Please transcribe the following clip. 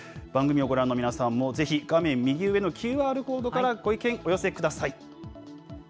番組をご覧の皆さんも、ぜひ画面右上のＱＲコードからご意見、お寄せください。